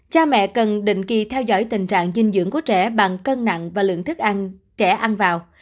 cha mẹ cần định kỳ theo dõi tình trạng dinh dưỡng của trẻ bằng cân nặng và lượng thức ăn trẻ ăn vào